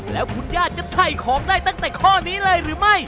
แล้วคุณย่าจะถ่ายของได้ตั้งแต่ข้อนี้เลยหรือไม่